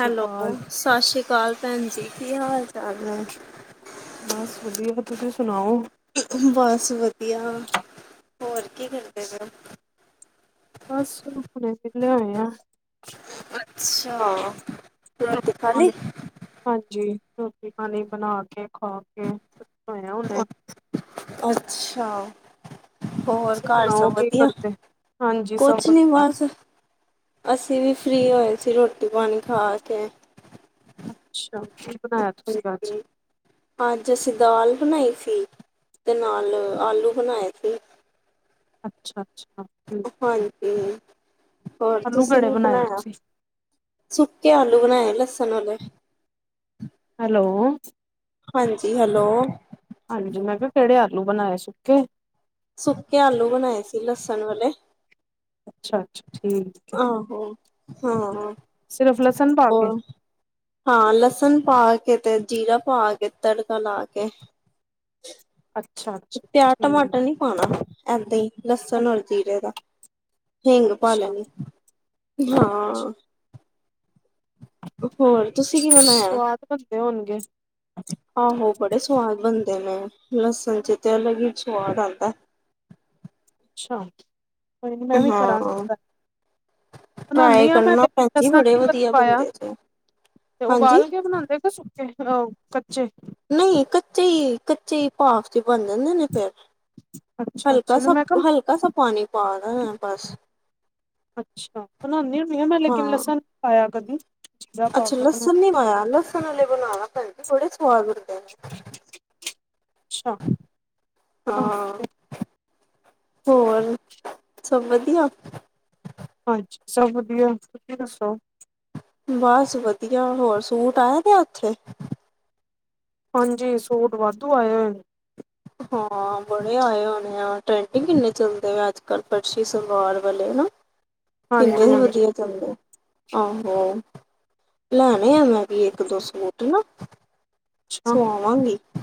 Hello ਸਤਿ ਸ਼੍ਰੀ ਅਕਾਲ ਭੈਣ ਜੀ ਕੀ ਹਾਲ ਚਾਲ ਹੈ ਬਸ ਵਧੀਆ ਤੁਸੀਂ ਸੁਣਾਓ ਬਸ ਵਧੀਆ ਹੋਰ ਕੀ ਕਰਦੇ ਪ ਬਸ ਹੁਣੇ ਫ ਲਿਆ ਆਇਆ ਅੱਛਾ ਰੋਟੀ ਖਾਲੀ ਹਾਂਜੀ ਰੋਟੀ ਪਾਣੀ ਬਣਾ ਕੇ ਖਾ ਕੇ ਖਆ ਉਹਨੇ ਅੱਛਾ ਹੋਰ ਘਰ ਸਭ ਵਧੀਆ ਕੁਛ ਨੀ ਬਰਸ ਅਸੀਂ ਵੀ ਫ੍ਰਰੀ ਹੋਏ ਸੀ ਰੋਟੀ ਪਾਣੀ ਖਾ ਕੇ ਅੱਛਾ ਕੀ ਬਣਾਇਆ ਤੁਸੀਂ ਅਜ ਅੱਜ ਅਸੀਂ ਦਾਲ ਬਣਾਈ ਸੀ ਤੇ ਨਾਲ ਆਲੂ ਬਣਾਏ ਸੀ ਅੱਛਾ ਅੱਛਾਠੀ ਹਾਂਜੀ ਹੋਰ ਤੁਸੀਂ ਨ ਬਣਾਇਆ ਸੁੱਕੇ ਆਲੂ ਬਣਾਏ ਲਸਣ ਵਾਲੇ ਹੈਲੋ ਹਾਂਜੀ ਹੈਲੋ ਹਾਂਜੀ ਮੈਂ ਕਿਹਾ ਕਿਹੜੇ ਆਲੂ ਬਣਾਏ ਸੁੱਕੇ ਸੁੱਕੇ ਆਲੂ ਬਣਾਏ ਸੀ ਲਸਣ ਵਾਲੇ ਅੱਛਾ ਅੱਛਾ ਠੀਕ ਹੈ ਹਮ ਹਾਂ ਸਿਰਫ਼ ਲਸਣ ਪਾ ਕੇ ਹਾਂ ਲਸਣ ਪਾ ਕੇ ਤੇ ਜੀਰਾ ਪਾ ਕੇ ਤੜਕਾ ਲਾ ਕੇ ਅੱਛਾ ਪਿਆਜ ਟਮਾਟਰ ਨੀ ਪਾਉਣਾ ਏਦਾਂ ਹੀ ਲਸਣ ਔਰ ਜੀਰੇ ਦਾ ਹਿੰਗ ਪਾ ਲੈਣੀ ਹਾਂ ਹੋਰ ਤੁਸੀਂ ਕੀ ਬਣਾਇਆ [unintelligible] ਹੋਣਗੇ। ਆਹੋ ਬੜੇ ਸਵਾਦ ਬਣਦੇ ਨੇ ਲਸਣ ਚ ਤੇ ਅਲਗ ਹੀ ਸਵਾਦ ਆਦਾ। ਛਾ ਹੁਣ ਮੈਂ ਵੀ ਕਰਾਗੀ [inaudible] ਬਨਾਨੀ ਹਾਂ ਮੈਂ ਲਸਨ ਨੀ ਕਦੀ ਪਾਇਆ। ਤੇ ਉਬਾਲ ਕੇ ਬਣਾਉਦੇ ਗ ਸੁੱਕੇ ਅਹ ਕੱਚੇ? ਨਹੀਂ ਕੱਚੇ ਹੀ ਕੱਚੇ ਹੀ ਭਾਵ ਚ ਬਣ ਜਾਂਦੇ ਨੇ ਫੇਿਰ ਹਲਕਾ ਸ ਹਲਕਾ ਸ ਪਾਣੀ ਪਾ ਰ ਹੈ ਬਸ ਅੱਛਾ ਸੁ ਨ ਮੈਂ ਲੇਕਿਨ ਲਸਣ ਪਾਇਆ ਕਦੀ ਅੱਛਾ ਲਸਣ ਨੀ ਪਾਇਆ ਲਣੇ ਬਣਾ ਭੈਣ ਥੋੜੇ ਸਦ ਹਾਂ ਹੋਰ ਸਭ ਵਧੀਆ ਹਾਂਜੀ ਸਭ ਵਧੀਆ ਤੁਸੀਂ ਦੱਸੋ ਬਸ ਵਧੀਆ ਹੋਰ ਸੂਟ ਆਏ ਤੇ ਉਓਥੇ ਹਾਂਜੀ ਸੋਟ ਵਾਧੂ ਆਏ ਹੋਏ ਨੇ ਹਾਂ ਬੜੇ ਆਏ ਹੋਣੇ ਆ ਟਰੈਂਡਿੰਗ ਕਿੰਨੇ ਚੱਲਦੇ ਆ ਅੱਜ ਕੱਲ੍ਹ ਪਰਸ਼ੀ ਸੰਵਾਰ ਵਾਲੇ ਹਨ ਨਾ ਕਿੰਨੇ ਵਧੀਆ ਚੰਦੇ ਆਹੋ ਲੈਣੇ ਆ ਮੈਂ ਵੀ ਇੱਕ ਦੋ ਸੂਟ ਨਾ। ਛਾ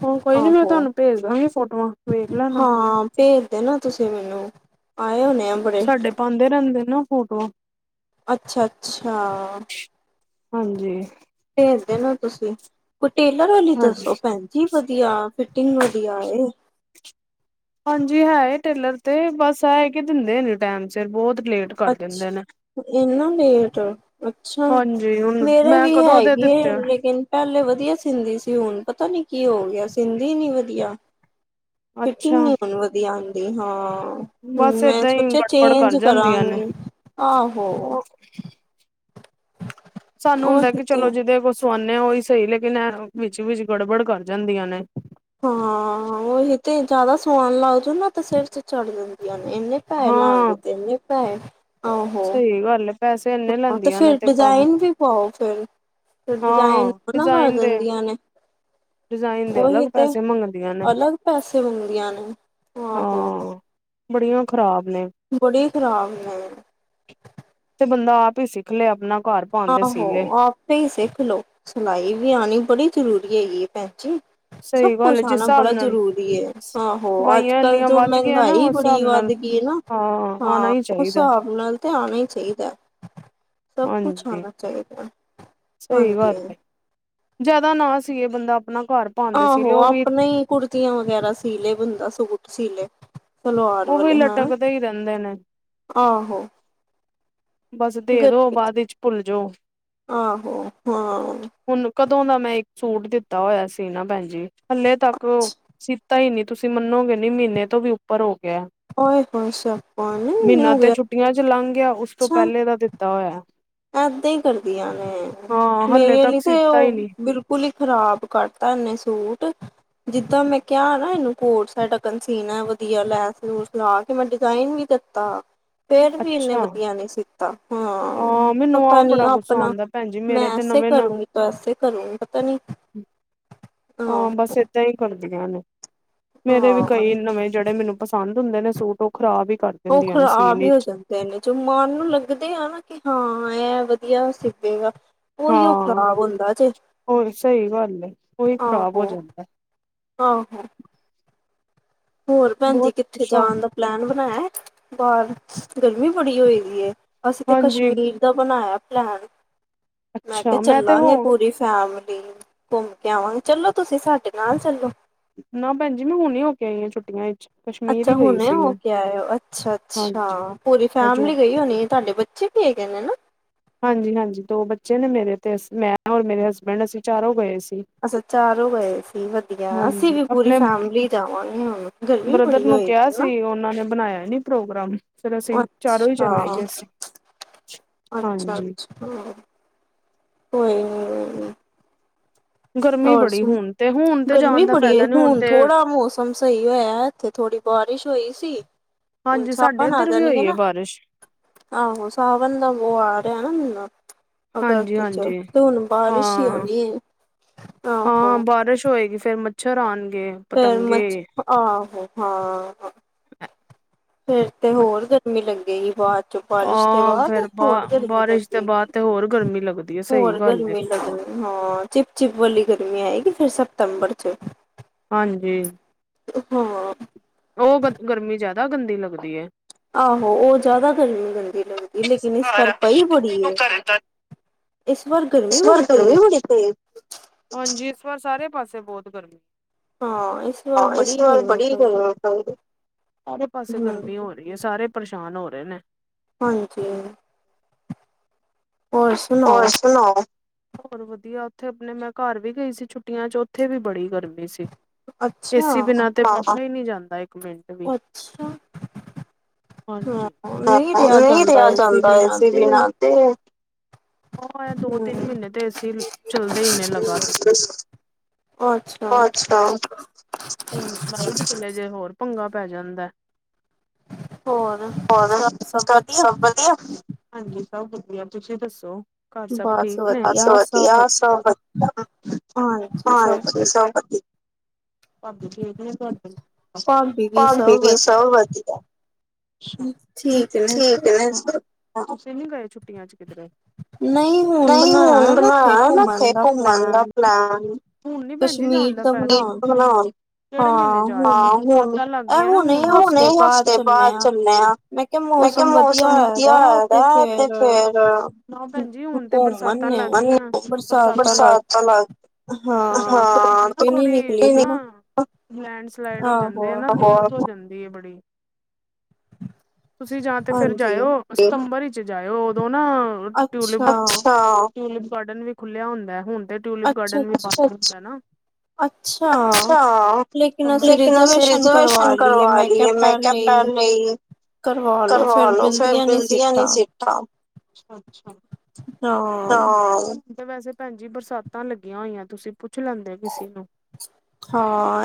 ਹੁ ਕੋਈ ਨੀ ਮੈਂ ਤੁਹਾਨੂੰ ਭੇਜ ਦਾਂਗੀ ਫੋਟੋਆਂ। ਹਾਂ ਭੇਜ ਦੇ ਨਾ ਤੁਸੀਂ ਮੈਨੂੰ, ਆਏ ਹੋਨੇ ਹੈ। ਸਾਡੇ ਪਾਦੇ ਰਹਿੰਦੇ ਨਾ ਫੋਟੋਆਂ। ਅੱਛਾ-ਅੱਛਾ ਹਾਂਜੀ ਭੇਜ ਦੇਨਾ ਤੁਸੀਂ ਕੋਈ ਟੇਲਰ ਵਾਲੀ ਦੱਸੋ ਭੈਨ ਜੀ ਵਧੀਆ ਫਿਟਿੰਗ ਵਧੀਆ ਆਏ। ਹਾਂਜੀ ਹੈ ਟੇਲਰ ਤੇ ਬਸ ਹੈ ਕਿ ਦਿੰਦੇ ਨੀ ਟਾਈਮ ਸਿਰ ਬਹੁਤ ਲੇਟ ਕਰ ਦਿੰਦੇ ਨੇ। ਇਹਨਾ ਲੇਟ ਅੱਛਾ ਮੇਰੇ ਵੀ ਹੈ ਗੀ ਏ ਲੇਕਿਨ ਪਹਿਲੇ ਵਧੀਆ ਸਿੰਦੀ ਸੀ ਹੁਣ ਪਤਾ ਨੀ ਕੀ ਹੋ ਗਿਆ ਸਿੰਦੀ ਨੀ ਵਧੀਆ। ਫਿਟਿੰਗ ਨੀ ਹੁਣ ਵਧੀਆ ਆਦੀ ਹਾਂ ਹੁਣ ਮੈਂ ਸੋਚਿਆ ਚੇਂਜ ਕਰਾ ਗੀ ਆਹੋ। ਸਾਨੂੰ ਹੁੰਦਾ ਕਿ ਚਲੋ ਜਿਹਦੇ ਕੋ ਸੁਵਾਨੇ ਆ ਉਹੀ ਸਹੀ ਲੇਕਿਨ ਇਹ ਵਿਚ ਗੜਬੜ ਕਰ ਜਾਂਦੀਆਂ ਨੇ। ਹਾਂ ਉਹੀ ਤੇ ਜਾਦਾ ਸਵਾਨ ਲੱਗ ਜੋ ਨਾ ਤੇ ਸਿਰ ਚ ਚੜ ਜਾਂਦੀਆ ਨੇ ਇੰਨੇ ਪੈਏ ਲਾਂਗੇ ਤੇਨੇ ਪੈਏ ਸਹੀ ਗੱਲ ਐ। ਹਾਂ ਤੇ ਫਿਰ ਡਿਜ਼ਾਇਨ ਵੀ ਪਾਓ ਫਿਰ। ਫੇਰ ਡਿਜ਼ਾਇਨ ਮਨਾ ਦਿੰਦੀਆਂ ਨੇ। ਉਹੀ ਤੇ ਅਲੱਗ ਪੈਸੇ ਮੰਗਦੀਆਂ ਨੇ ਆਹੋ। ਬੜੀਆਂ ਖ਼ਰਾਬ ਨੇ। ਬੜੀ ਖਰਾਬ ਨੇ। ਤੇ ਬੰਦਾ ਆਪ ਹੀ ਸਿਖ ਲੈ ਆਪਣਾ ਆਹੋ ਆ ਪੈ ਹੀ ਸਿਖ ਲੋ, ਸਿਲਾਈ ਵੀ ਆਨੀ ਬੜੀ ਜ਼ਰੂਰੀ ਹੈਗੀ ਹੈ ਭੈਣ ਜੀ। ਸਭ ਕੁਛ ਆਣਾ ਬੜਾ ਜ਼ਰੂਰੀ ਹੈ ਆਹੋ ਅੱਜ ਕੱਲ ਜੋ ਮਹਿੰਗਾਈ ਬੜੀ ਵੱਧ ਗਈ ਹੈ ਨਾ। ਹਾਂ ਉਸ ਹਿਸਾਬ ਨਾਲ ਤੇ ਆਣਾ ਹੀ ਚਾਹੀਦਾ। ਹਾਂਜੀ, ਸਹੀ ਗੱਲ ਐ। ਜਾਦਾ ਨਾ ਸੀਏ ਬੰਦਾ ਆਪਣਾ ਘਰ ਆਹੋ ਆਪਨਾ ਹੀ ਕੁੜਤੀਆਂ ਵਗੈਰਾ ਸੀਲੈ ਬੰਦਾ ਸੂਟ ਸੀਲੈ। ਸਲਵਾਰ ਵਾਲੇ ਹਾਂ ਆਹੋ। ਬਸ ਦੇ ਦੋ ਬਾਦ ਵਿੱਚ ਭੁੱਲ ਜੋ ਹੁਣ ਕਦੋਂ ਦਾ ਮੈਂ ਇੱਕ ਸੂਟ ਦਿੱਤਾ ਹੋਇਆ ਸੀ ਨਾ ਭੈਣ ਜੀ ਹਲੇ ਤੱਕ ਸੀਤਾ ਹੀ ਨਹੀਂ ਤੁਸੀਂ ਮੰਨੋਗੇ ਨੀ ਮਹੀਨੇ ਤੋਂ ਵੀ ਉੱਪਰ ਹੋ ਗਿਆ। ਆਏ ਹਾਏ ਸਿਆਪਾ ਇੰਨੇ ਮਹੀਨੇ ਹੋ ਗਏ ਆ। ਟੀਆਂ ਚ ਲੰਘ ਗਿਆ ਉਸ ਤੋਂ ਪਹਿਲੇ ਦਾ ਦਿੱਤਾ ਹੋਇਆ। ਇਏਦਾਂ ਹੀ ਕਰਦੀਆਂਨੇ ਮੇਰੇ ਲਈ ਤੇ ਉਹ ਬਿਲਕੁੱਲ ਕੁਲੀ ਖ਼ਰਾਬ ਕਰਤਾ ਇਹਨੇ ਸੂਟ। ਜਿੱਦਾਂ ਮੈਂ ਕਿਹਾ ਨਾ ਇਹਨੂੰ ਕੋਟ ਸਾਡਾ ਕਨਸੀਨ ਹੈ ਵਧੀਆ ਲੈਸ ਲੂਸ ਲਾ ਕੇ ਮੈਂ ਡਿਜ਼ਾਇਨ ਵੀ ਤਾਂ ਫੇਰ ਵੀ ਇੰਨੇ ਵਧੀਆ ਨੀ ਸੀਤਾ ਹਾਂ। ਪਤਾ ਨਹੀਂ ਆਪਣਾ ਮੈਂ ਐਸੇ ਕਰੂੰਗੀ। ਵੈਸੇ ਕਰੋਂ ਪਤਾ ਨੀ। ਹਾਂ ਬਸ ਏਦਾਂ ਹੀ ਕਰਦੀਆਂ ਨੇ, ਮੇਰੇ ਵੀ ਕਈ ਨਵੇਂ ਜਿਹੜੇ ਮੈਨੂੰ ਪਸੰਦ ਹੁੰਦੇ ਨੇ ਸੂਟ ਉਹ ਖ਼ਰਾਬ ਹੀ ਕਰ ਦਿੰਦਿਆਂ ਨੇ ਸੀਨ ਵਿਚ। ਮਨ ਨੂੰ ਲੱਗਦੇ ਆ ਨਾ ਕਿ ਹਾਂ ਇਹ ਵਧੀਆ ਸਿਪੈਗਾ ਓਹੀਓ ਖ਼ਰਾਬ ਹੁੰਦਾ ਜੇ ਆਹੋ। ਆਹੋ। ਹੋਰ ਭੈਣ ਜੀ ਕਿੱਥੇ ਜਾਣ ਦਾ ਪਲੈਨ ਬਣਾਇਆ ਬਾਹਰ ਗਰਮੀ ਬੜੀ ਹੋ ਦੀ ਹੈ ਅਸੀ ਇੱਥੇ ਕਸ਼ਮੀਰ ਦਾ ਬਣਾਇਆ ਪਲੈਨ ਮੈਂ ਕਿਹਾ ਚੱਲਾਂਗੇ ਪੂਰੀ ਫੈਮਲੀ। ਘੁੰਮ ਕੇ ਆਵਾਂਗੇ ਚਲੋ ਤੁਸੀਂ ਸਾਡੇ ਨਾਲ ਚੱਲੋ। ਨਾ ਭੈਣਜੀ ਮੈਂ ਹੁਣ ਨ ਹੋ ਕੇ ਆਈ ਹਾਂ ਛੁੱਟੀਆਂ ਵਿਚ। ਅੱਛਾ ਹੁਣੇ ਹੋ ਕੇ ਆਏ ਹੋ ਅੱਛਾ ਅੱਛਾ ਪੂਰੀ ਫੈਮਿਲੀ ਗਈ ਹੋਣੀ ਤੁਹਾਡੇ ਬੱਚੇ ਕੀਠ ਕਹਿੰ ਨਾ। ਹਾਂਜੀ ਹਾਂਜੀ ਦੋ ਬੱਚੇ ਨੇ ਮੇਰੇ ਤੇ ਮੈਂ ਔਰ ਮੇਰੇ ਹਸਬੈਂਡ ਅਸੀਂ ਚਾਰੋਂ ਗਏ ਸੀ। ਅੱਛਾ ਚਾਰ ਹੋ ਗਏ ਸੀ ਵਧੀਆ ਅਸੀਂ ਵੀ ਪੂਰੀ ਫੈਮਿਲੀ ਜਾਵਾਂਗੇ ਹੁਣ ਗਰਮੀ ਬੜੀ ਹੋਈ ਸੀ। ਉਹਨਾਂ ਨੇ ਬਣਾਇਆ ਨੀ ਪ੍ਰੋਗਰਾਮ ਫਿਰ ਅਸੀਂ ਚਾਰੋਂ ਹੀ ਚਲੇ ਆਗੇ ਅਂ। ਅੱਛਾ ਅੱਛਾ ਕੋਈ ਨਹੀਂ ਨਹੀਂ। ਹੋਰ ਸੁਣ ਗਰਮੀ ਬੜੀ ਹੈ ਹੁਣ ਥੋੜਾ ਮੌਸਮ ਮੌਸਮ ਸਹੀ ਹੋਇਆ ਇੱਥੇ ਥੋੜ੍ਹੀ ਬਾਰਿਸ਼ ਹੋਈ ਸੀ। ਹਾਂਜੀ ਸਾਡੇ ਇੱਧਰ ਵੀ ਹੋਈ ਹੈ ਬਾਰਿਸ਼। ਆਹੋ ਸਾਵਣ ਦਾ ਉਹ ਆ ਰਿਹਾ ਨਾ ਮਹੀਨਾ। ਅਗਸਤ ਚ ਤੇ ਹੁਣ ਬਾਰਿਸ਼ ਹੀ ਹੋਣੀ ਹੈ। ਹਾਂ ਬਾਰਿਸ਼ ਹੋਏਗੀ ਫੇਰ ਮੱਛਰ ਆਉਣਗੇ। ਪੈਰਮ ਆਹੋ ਹਾਂ। ਫੇਰ ਤੇ ਹੋਰ ਗਰਮੀ ਲੱਗੇ ਹੀ ਬਾਅਦ। ਬਾਰਿਸ਼ ਦੇ ਬਾਅਦ ਹੋਰ ਗਰਮੀ ਲੱਗੇਗੀ ਹੋਰ ਗਰਮੀ ਲਗ। ਹਾਂ ਚਿਪ ਚਿਪ ਵਾਲੀ ਗਰਮੀ ਆਏਗੀ ਫਿਰ ਸਤੰਬਰ ਚ। ਹਾਂਜੀ। ਹਾਂ। ਉਹ ਗ ਗਰਮੀ ਜਿਆਦਾ ਗੰਦੀ ਲੱਗਦੀ। ਆਹੋ ਉਹ ਜ਼ਿਆਦਾ ਗਰਮੀ ਗੰਦੀ ਲੱਗਦੀ। ਲਕਿਨ ਇਸ ਵਾਰ ਪਾਈ ਬੜੀ ਹੈ ਇਸ ਬਾਰ ਗਰਮੀ ਬੜੀ ਤੇਜ਼। ਹਾਂਜੀ ਇਸ ਵਾਰ ਸਾਰੇ ਪਾਸੇ ਬਹੁਤ ਗਰਮੀ। ਹਾਂ ਇਹ ਸਵਾਲ ਬੜੀ ਗੱਲ। ਸਾਰੇ ਪਾਸੇ ਗਰਮੀ ਹੋ ਰਹੀ ਹੈ ਸਾਰੇ ਪਰੇਸ਼ਾਨ ਹੋ ਰਹੇ ਨੇ। ਹਾਂਜੀ। ਹੋਰਸ। ਹੋਰ ਸੁਣਾਓ ਹੋਰ ਵਧੀਆ ਉੱਥੇ ਆਪਣੇ ਮੈਂ ਘਰ ਵੀ ਗਈ ਸੀ ਛੁੱਟੀਆਂ ਚ ਉੱਥੇ ਵੀ ਬੜੀ ਗਰਮੀ। ਏਸੀ ਬਿਨਾਂ ਤੇ ਪਛਣਾ ਹੀ ਨਹੀਂ ਜਾਂਦਾ ਇੱਕ ਮਿੰਟ। ਅੱਛਾ। ਨਹੀਂ ਰਿਹਾ ਜਾਂਦਾ ਇਸੇ ਬਿਨਾਂ ਤੇ ਉਹ ਦੋ ਤਿੰਨ ਮਹੀਨੇ ਤੇ ਅਸੀ ਚੱਲਦੇ ਹੀ ਨੇ ਲਗਾਤ ਅੱਛਾ ਮ ਚੱਲੇ ਜੇ ਹੋਰ ਭ ਪੰਗਾ ਪੈ ਜਾਂਦਾ ਹੋਰ ਸਭ ਸਭ ਵਧੀਆ ਹਾਂਜੀ ਸਭ ਵਧੀਆ ਤੁਸੀਂ ਦੱਸੋ ਘਰ ਸਭ ਠੀਕ ਨੇ ਬ ਵਧੀਆ ਸਭ ਵਧੀਆ ਹਾਂਜੀ ਸਪਤੀ ੀ ੀਕ ਭਾਬੀ ਵੀ ਸਭ ਵਧੀਆ ਠੀਕ ਤੁਸੀਂ ਨੀ ਗਏ ਛੁੱਟੀਆਂ ਚ ਕਿਧ ਨਹੀਂ ਨਹੀਂ ਹੁਣ ਬਣਾਆ ਨਾ ਉੱਥੇ ਘੁੰਮਣ ਦਾ ਪਲੈਨ ਹੁਣ ਨੀ ਭੈਣ ਜ ਜਾਣ ਦਾ ਫਾਇਦਾ ਕਿਹੜੇ ਮਹੀਨੇ ਜਾ ਹੁਣੇ ਹਫ਼ਤੇ ਬਾਅ ਚੱਲਿਆ। ਮੈਂ ਕਿਹਾ ਮੌਸਮ ਦੀ ਤ ਆ ਆ ਤੇ ਫੇਰ ਭੈਣਜੀ ਹੁਣ ਤੇ ਬਰਸਾਤਾਂ ਲੱਗ ਗਈਆਂ ਬਰਸਾਤਾਂ। ਹਾਂਥੋੜੀ ਲੈਂਡਸਲਾਈਡ ਹੋ ਜਾਂਦੇ ਆ ਨਾ ਬ ਹੋ ਜਾਂਦੀ ਹੈ ਬੜੀ ਤੁਸੀਂ ਜਾਂ ਤੇ ਫਿਰ ਜਾਇਓ ਸਤੰਬਰ ਵਿਚ ਜਾਇਓ ਉਦੋਂ ਨਾ ਟਿਪ ਟੂਲਿਪ ਗਾਰਡਨ ਵੀ ਖੁੱਲਿਆ ਹੁੰਦਾ ਹੁਣ ਤੇ ਟੂਲਿਪ ਗਾਰਡਨ ਵੀ ਹੁੰਦਾ ਅੱਛਾ ਲੇਕਿ ਉੇ ਰ ਰਿਜ਼ਰਵਸ਼ਨ ਕਰਵਾ ਲਈਏ ਮੈਂ ਕਪ ਲਈ ਕਰਵਾ ਲੋੋ ਫੇਰ ਮਿਲਦੀਆਂ ਨੀ ਸੀਟਾਂ ਵੈਸੇ ਭੈਣ ਜੀ ਬਰਸਾਤਾਂ ਲੱਗੀਆਂ ਹੋਈਆਂ ਤੁਸੀਂ ਪੁੱਛ ਲੈਂਦੇ ਕਿਸੇ ਨੂੰ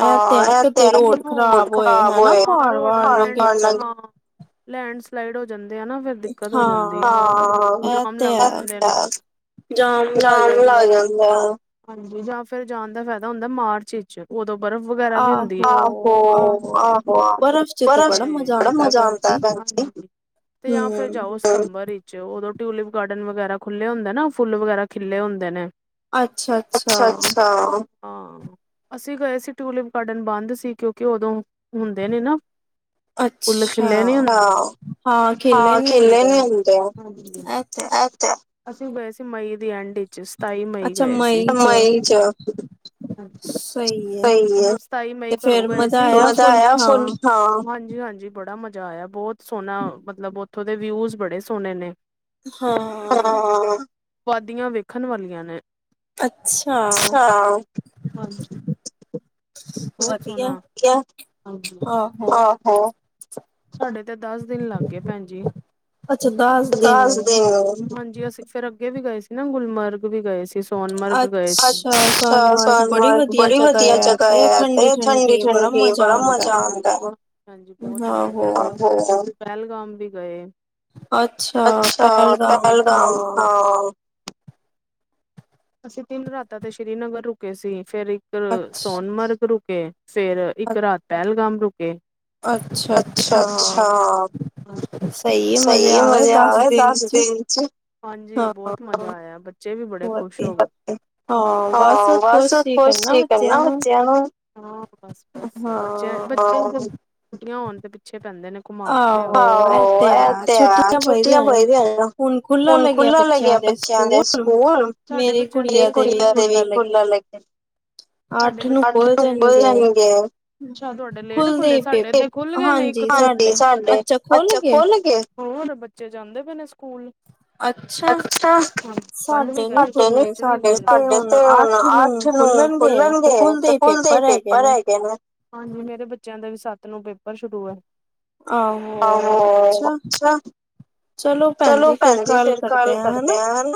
ਹਾਂ ਤੇ ਰੋ ਖਰਾਬ ਹੋਆ ਲੈਂਡ ਸਲਾਈਡ ਹੋ ਜਾਂਦੇ ਆ ਨਾ ਫਿਰ ਦਿੱਕਤ ਹੋ ਜਾਂਦੀ ਜਾਮ ਲੱਗ ਜਾਂਦੇ ਲ ਹਾਂਜੀ ਜਾਂ ਫਿਰ ਜਾਣ ਦਾ ਫਾਇਦਾ ਹੁੰਦਾ ਮਾਰਚ ਦੋ ਬਰਫ਼ ਵਗੈਰਾ ਵੀ ਹੁੰਦੀ ਆ ਆ ਆ ਬਰਫ ਬੜਾ ਮਜ਼ਾ ਆਉਂ ਤੇ ਜਾਂ ਫਿਰ ਜਾਓ ਸਤੰਬਰ ਵਿੱਚ ਉਦੋਂ ਟੂਲਿਪ ਗਾਰਡਨ ਵਗੈਰਾ ਖੁੱਲੇ ਹੁੰਦੇ ਨਾ ਫੁੱਲ ਵਗੈਰਾ ਖਿਲੈ ਹੁੰਦੇ ਨੇ ਅੱਛਾ ਅੱਛਾ ਹਾਂ ਅਸੀਂ ਗਏ ਸੀ ਟੂਲਿਪ ਗਾਰਡਨ ਬੰਦ ਸੀ ਕਿਉਂਕਿ ਉਦੋਂ ਹੁੰਦੇ ਨੇ ਨਾ ਹ [unintelligible] ਫੁੱਲ ਖਿੱਲੇ ਨੀ ਹੁੰਦਾ ਹਾਂ ਖੇਲੇ ਨੀ ਹੁੰਦੇ ਆ ਅਸੀਂ ਗਏ ਸੀ ਮਈ ਦੀ ਐਂਡ ਵਿਚ ਸਤਾਈ ਮਈ ਗਏ ਸੀ ਮਈ ਚ ਸਤਾਈ ਮਈ ਘਰੋਂ ਗਏ ਸੀ ਫ ਹ ਹਾਂ ਹਾਂਜੀ ਬੜਾ ਮਜ਼ਾ ਆਇਆ ਬਹੁਤ ਸੋਹਣਾ ਮਤਲਬ ਉੱਥੋਂ ਦੇ ਵਿਊਜ਼ ਬੜੇ ਸੋਹਣੇ ਨੇ ਹਾਂ ਵਾਧੀਆਂ ਵੇਖਣ ਵਾਲੀਆਂ ਨੇ ਅਛਾ ਬਹੁਤ ਸੁੋਣਾ ਸਾਡੇ ਤੇ ਦੱਸ ਦਿਨ ਲੱਗ ਗਏ ਭੈਣਜੀ ਹਾਂਜੀ ਅਸੀਂ ਫਿਰ ਅੱਗੇ ਵੀ ਗਏ ਸੀ ਨਾ ਗੁਲਮਰਗ ਵੀ ਗਏ ਸੀ ਸੋਨਮਰਗ ਗਏ ਅੱਛਾ ਸੋਨਮਰਗ ਬੜੀ ਵਧੀਆ ਜਗਾ ਆ ਠੰਡੀ ਠੰਡੀ ਬੜਾ ਮਜ਼ਾ ਆਉਂਦਾ ਹਾਂਜੀ ਬਹੁਤ ਮਜ਼ਾ ਫੇਰ ਪਹਿਲਗਾਮ ਵੀ ਗਏ ਅੱਛਾ ਪਹਿਲਗਾਮ ਹ ਅਸੀਂ ਤਿੰਨ ਰਾਤਾਂ ਤੇ ਸ੍ਰੀਨਗਰ ਰੁਕੇ ਸੀ ਫਿਰ ਇੱਕ ਸੋਨਮਰਗ ਰੁਕੇ ਫਿਰ ਇੱਕ ਰਾਤ ਪਹਿਲਗਾਮ ਰੁਕੇ ਅੱਛਾ ਅੱਛਾ ਸਹੀ ਆ ਮਜ਼ਾ ਆ ਦਸ ਦਿਨ ਹਾਂਜੀ ਬਹੁਤ ਮਜ਼ਾ ਆਇਆ ਬੱਚੇ ਵੀ ਖੁਸ਼ ਹਾਂ ਬਸ ਖੁਸ਼ ਠੀਕ ਹੈ ਨਾ ਬੱਚਿਆਂ ਨੂੰ ਹਾਂ ਬਸ ਬਸ ਬੱਚੇ ਬੱਚੇ ਛੁਟੀਆਂ ਹੋਣ ਤੇ ਪਿੱਛੇ ਪੈਂਦੇ ਨੇ ਹਾਂ ਆ ਤੇ ਛੁਟੀਆਂ ਪਈਦੀ ਫੁਣ ਖੁਲਾ ਲਗਿਆ ਬੱਚਿਆਂ ਦੇ ਸਕੂਲ ਕੁੜੀਆਂ ਤੇ ਵੀ ਖੁੱਲਣ ਲੱਗੇ [inaudible] ਅੱਛਾ ਤੁਹਾਡੇ ਲੇਟ ਖੁੱਲੇ ਸਾਡੇ ਖੁੱਲ ਅੱਛਾ ਖੁੱਲ ਗਏ ਹੋਰ ਬੱਚੇ ਜਾਂਦੇ ਪਏ ਨੇ ਸਕੂਲ ਅੱਛਾ ਕੱਲ ਵੀ ਗਏ ਸਾਡੇ ਤੇ ਹੁਣ ਅੱਠ ਨੂੰ ਖੁਲਣਗੇ ਤੇ ਖੁੱਲਦੇ ਪੇਪਰ ਹੈਗੇ ਨੇ ਹਾਂਜੀ ਮੇਰੇ ਬੱਚਿਆਂ ਦਾ ਵੀ ਸੱਤ ਨੂੰ ਪੇਪਰ ਸ਼ੁਰੂ ਹੈ ਆਹੋ ਅੱਛਾ ਚਲੋ ਭੈਣਜੀ ਫਰ ਕਾਲ ਕਰਦੇ ਆ ਹਨ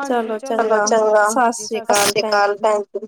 ਹਜੀ ਚਲੋ ਚੰਗਾ ਸਤਿ ਸ੍ਰੀ ਅਕਾਲ ਹਾਂਕੂ